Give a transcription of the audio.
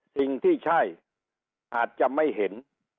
สิ่งที่ใช่อาจจะไม่เห็น